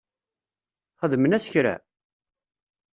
Xedmen-as kra?